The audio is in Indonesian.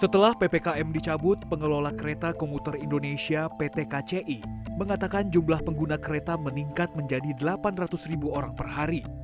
setelah ppkm dicabut pengelola kereta komuter indonesia pt kci mengatakan jumlah pengguna kereta meningkat menjadi delapan ratus ribu orang per hari